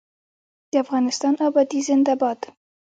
د افغانستان ابادي زنده باد.